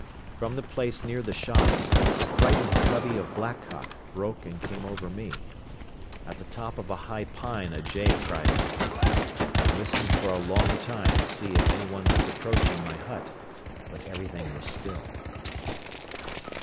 From the place near the shots a frightened covey of blackcock broke and came over me. At the top of a high pine a jay cried out. I listened for a long time to see if anyone was approaching my hut but everything was still.